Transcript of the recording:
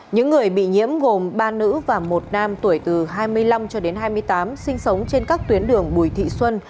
những người bị nhiễm gồm ba nữ và một nam tuổi từ hai mươi năm cho đến hai mươi tám sinh sống trên các tuyến đường bùi thị xuân